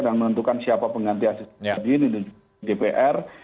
dan menentukan siapa pengganti aziz syamsuddin di dpr